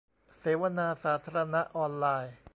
เสวนาสาธารณะออนไลน์